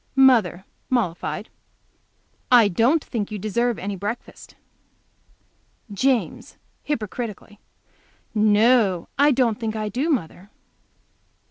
Mother, mollified. "I don't think you deserve any breakfast." James, hypocritically. "No, I don't think I do, mother."